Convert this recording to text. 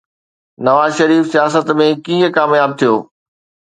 نواز شريف سياست ۾ ڪيئن ڪامياب ٿيو؟